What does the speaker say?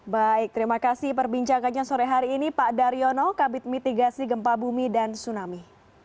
baik terima kasih perbincangannya sore hari ini pak daryono kabit mitigasi gempa bumi dan tsunami